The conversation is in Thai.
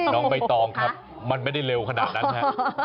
น้องใบตองครับมันไม่ได้เร็วขนาดนั้นฮะ